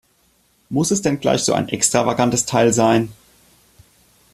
Muss es denn gleich so ein extravagantes Teil sein?